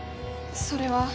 それは。